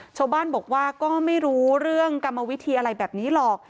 ชาวบ้านบอกว่าก็ไม่รู้เรื่องกรรมวิธีอะไรแบบนี้หรอก